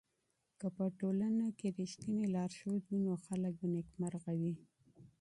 که په ټولنه کي رښتينی لارښود وي نو خلګ به نېکمرغه وي.